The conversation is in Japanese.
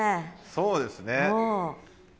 そうですね。